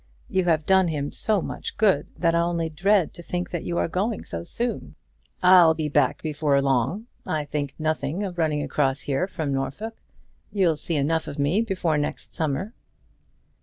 You have done him so much good that I only dread to think that you are going so soon." "I'll be back before long. I think nothing of running across here from Norfolk. You'll see enough of me before next summer."